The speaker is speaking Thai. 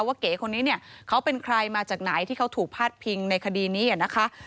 เก๋คนนี้เนี่ยเขาเป็นใครมาจากไหนที่เขาถูกพาดพิงในคดีนี้นะคะ